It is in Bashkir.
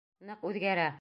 Ныҡ үҙгәрә...